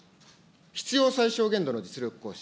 必要最小限度の実力行使。